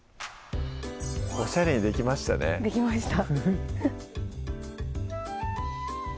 オシャレにできましたねできました